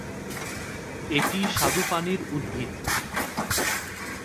এটি স্বাদুপানির উদ্ভিদ।